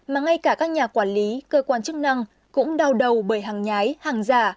mà ngay cả các nhà quản lý cơ quan chức năng cũng đau đầu bởi hàng nhái hàng giả